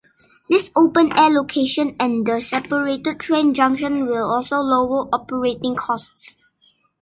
This open air location and the separated train junction will also lower operating costs.